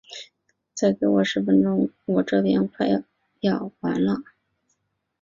再给我十分钟，我这边快要完了。